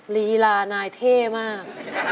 ลีลานายเท่มาก